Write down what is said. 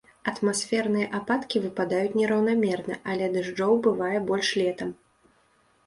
Атмасферныя ападкі выпадаюць нераўнамерна, але дажджоў бывае больш летам.